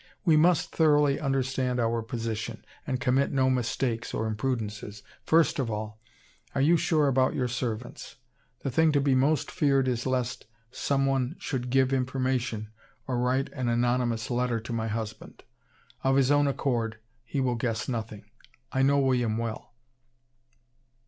we must thoroughly understand our position, and commit no mistakes or imprudences. First of all, are you sure about your servants? The thing to be most feared is lest some one should give information or write an anonymous letter to my husband. Of his own accord, he will guess nothing. I know William well."